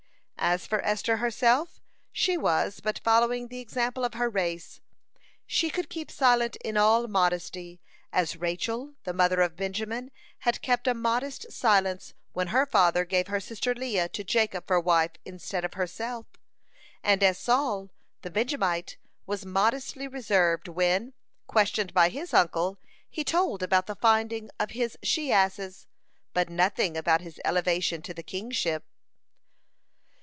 (85) As for Esther herself, she was but following the example of her race. She could keep silent in all modesty, as Rachel, the mother of Benjamin, had kept a modest silence when her father gave her sister Leah to Jacob for wife instead of herself, and as Saul the Benjamite was modestly reserved when, questioned by his uncle, he told about the finding of his she asses, but nothing about his elevation to the kingship.